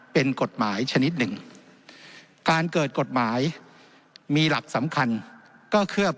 เป็นกฎหมายชนิดหนึ่งการเกิดกฎหมายมีหลักสำคัญก็เคลือบ